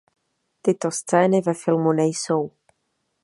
Tyto scény ve filmu nejsou.